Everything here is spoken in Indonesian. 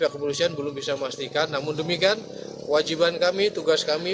kepolisian belum bisa memastikan namun demikian wajiban kami tugas kami